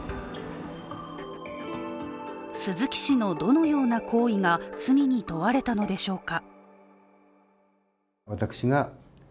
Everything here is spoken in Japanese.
鈴木氏のどのような行為が罪に問われたのでしょうか。